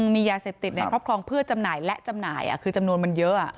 มียาเสพติดในครอบครองเพื่อจำหน่ายและจำหน่ายคือจำนวนมันเยอะ